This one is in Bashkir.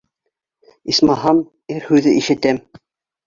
Исмаһам, ир һүҙе ишетәм.